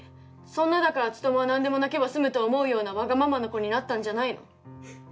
そんなだから努は何でも泣けば済むと思うようなわがままな子になったんじゃないの！